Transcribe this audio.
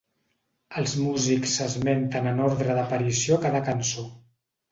"Els músics s'esmenten en ordre d'aparició a cada cançó".